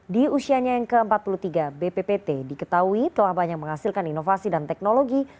di usianya yang ke empat puluh tiga bppt diketahui telah banyak menghasilkan inovasi dan teknologi